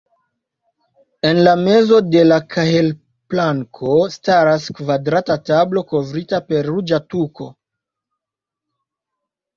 En la mezo de la kahelplanko staras kvadrata tablo kovrita per ruĝa tuko.